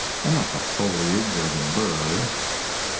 And not the foliage or the bird.)